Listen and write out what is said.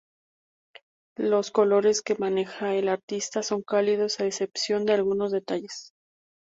Los colores que maneja el artista son cálidos a excepción de algunos detalles.